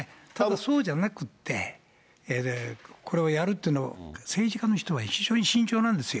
そうじゃなくて、これをやるというのを、政治家の人は非常に慎重なんですよ。